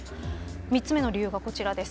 ３つ目の理由は、こちらです。